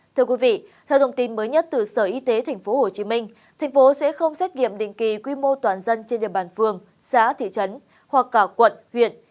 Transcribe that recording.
theo thông tin mới nhất từ sở y tế tp hcm tp hcm sẽ không xét nghiệm định kỳ quy mô toàn dân trên địa bàn phường xã thị trấn hoặc cả quận huyện